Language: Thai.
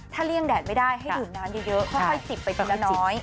เลี่ยงแดดไม่ได้ให้ดื่มน้ำเยอะค่อยจิบไปทีละน้อย